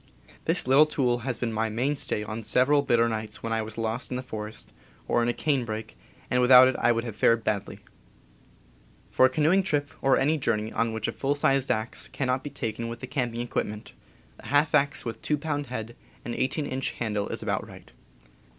This little tool has been my mainstay on several bitter nights when I was lost in the forest, or in a canebrake, and without it I would have fared badly. For a canoeing trip, or any journey on which a full sized axe cannot be taken with the camping equipment, a half axe with 2 pound head and 18 inch handle is about right.